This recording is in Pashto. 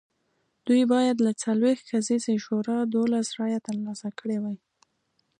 دوی باید له څلوېښت کسیزې شورا دولس رایې ترلاسه کړې وای